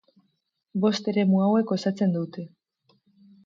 Bost eremu hauek osatzen dute.